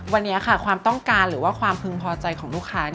วันนี้ค่ะความต้องการหรือว่าความพึงพอใจของลูกค้า